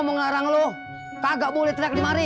mengarang loh kagak boleh teriak dimari